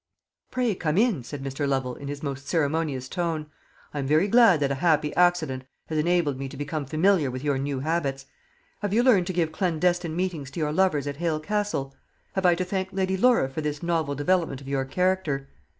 "Pray come in," said Mr. Lovel, in his most ceremonious tone. "I am very glad that a happy accident has enabled me to become familiar with your new habits. Have you learnt to give clandestine meetings to your lovers at Hale Castle? Have I to thank Lady Laura for this novel development of your character?"